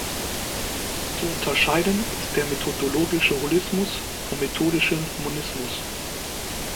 Zu unterscheiden ist der methodologische Holismus vom methodischen Monismus.